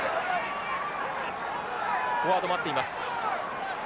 フォワード待っています。